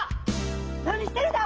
何してるだ？